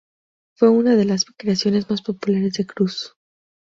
Fue una de las creaciones más populares de Cruz.